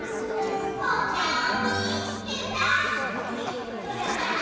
おかおみつけた！